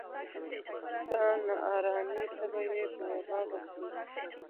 د نا ارامۍ تبه یې په وبا بدلېږي.